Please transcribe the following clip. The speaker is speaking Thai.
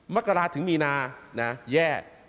มักกะราถึงมีนานะ